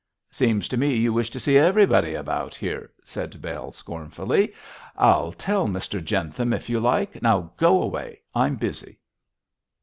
'Seems to me you wish to see everybody about here,' said Bell, scornfully. 'I'll tell Mr Jentham if you like. Now go away; I'm busy.'